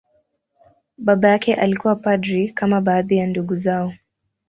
Baba yake alikuwa padri, kama baadhi ya ndugu zao.